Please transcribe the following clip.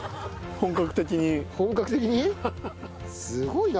本格的に？